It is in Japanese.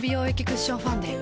クッションファンデ